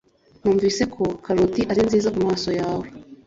Numvise ko karoti ari nziza kumaso yawe